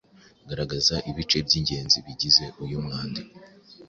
Garagaza ibice by’ingenzi bigize uyu mwandiko